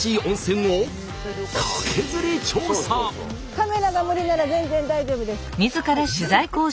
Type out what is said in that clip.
カメラが無理なら全然大丈夫です。